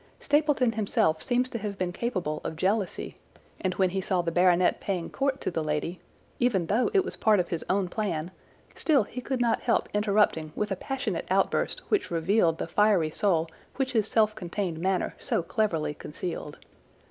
Stapleton himself seems to have been capable of jealousy, and when he saw the baronet paying court to the lady, even though it was part of his own plan, still he could not help interrupting with a passionate outburst which revealed the fiery soul which his self contained manner so cleverly concealed.